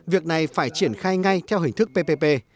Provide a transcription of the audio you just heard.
việc này phải triển khai ngay theo hình thức ppp